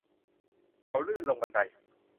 เขาลื่นลงบันได